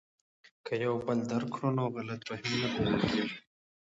که یو بل درک کړو نو غلط فهمي نه پیدا کیږي.